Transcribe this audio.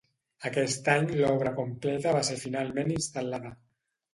Aquest any l'obra completa va ser finalment instal·lada.